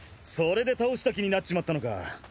それで倒した気になっちまったのか。